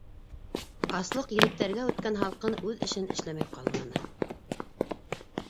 Аслыҡ, електәргә үткән һалҡын үҙ эшен эшләмәй ҡалманы.